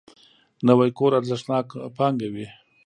نوی کور ارزښتناک پانګه وي